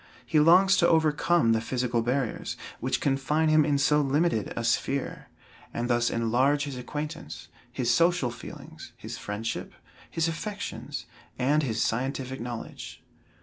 He longs to overcome the physical barriers, which confine him in so limited a sphere, and thus enlarge his acquaintance, his social feelings, his friendship, his affections and his scientific knowledge.